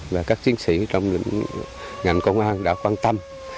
và các chiến sĩ trong ngành công an đã quan tâm